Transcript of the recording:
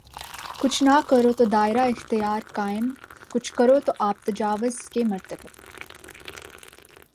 کچھ نہ کرو تو دائرہ اختیار قائم‘ کچھ کرو تو آپ تجاوز کے مرتکب۔